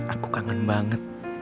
aku kangen banget